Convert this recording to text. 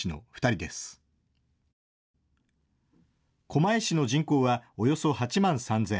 狛江市の人口はおよそ８万３０００。